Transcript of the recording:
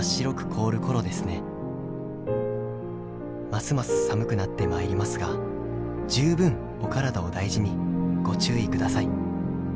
ますます寒くなってまいりますが十分お体を大事にご注意ください。